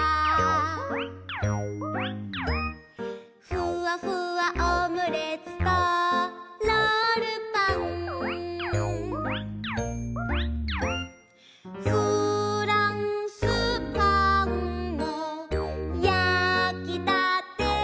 「ふわふわオムレツとロールパン」「フランスパンも焼きたてだ」